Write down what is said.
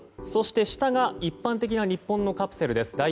そして、下が一般的な日本のカプセルです。